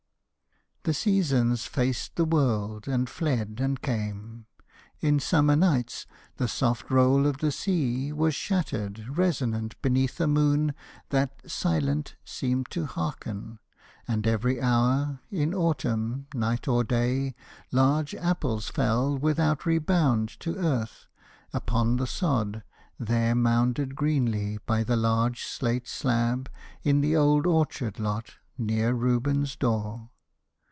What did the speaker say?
The seasons faced the world, and fled, and came. In summer nights, the soft roll of the sea Was shattered, resonant, beneath a moon That, silent, seemed to hearken. And every hour In autumn, night or day, large apples fell Without rebound to earth, upon the sod There mounded greenly by the large slate slab In the old orchard lot near Reuben's door.